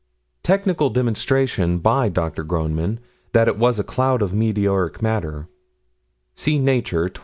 Technical demonstration by Dr. Groneman, that it was a cloud of meteoric matter (Nature, 28 105).